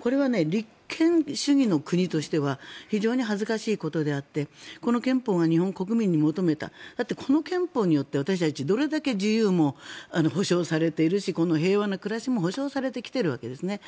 これは立憲主義の国としては非常に恥ずかしいことであってこの憲法が日本国民の求めただって、この憲法によって私たち、どれだけ自由も保障されているしこの平和な暮らしも保障されてきているわけですね。